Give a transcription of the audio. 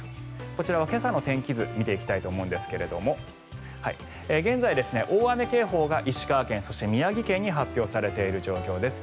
こちらは今朝の天気図見ていきたいと思うんですが現在、大雨警報が石川県そして宮城県に発表されている状況です。